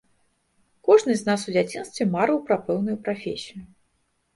Кожны з нас у дзяцінстве марыў пра пэўную прафесію.